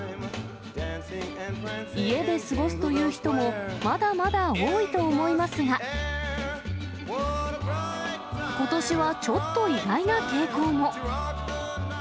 家で過ごすという人も、まだまだ多いと思いますが、ことしはちょっと意外な傾向も。